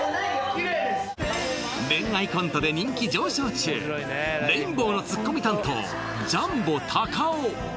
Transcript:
キレイです恋愛コントで人気上昇中レインボーのツッコミ担当ジャンボたかお